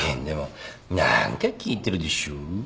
でも何か聞いてるでしょ？